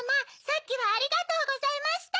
さっきはありがとうございました。